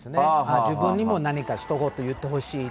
自分にも何かひと言言ってほしいって。